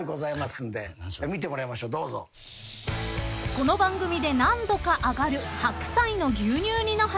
［この番組で何度か上がる白菜の牛乳煮の話］